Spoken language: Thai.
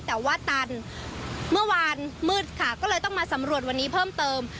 แต่ว่าตันเมื่อวานมืดค่ะก็เลยต้องมาสำรวจวันนี้เพิ่มเติม